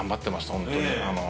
本当に。